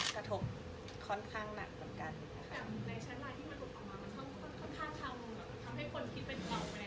กระทบค่อนข้างหงัดเหมือนกัน